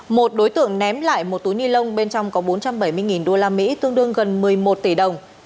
một đối tượng ném lại một túi ni lông bên trong có bốn trăm bảy mươi usd tương đương gần một mươi một tỷ đồng